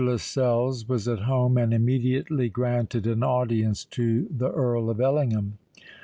Lascelles was at home, and immediately granted an audience to the Earl of Ellingham.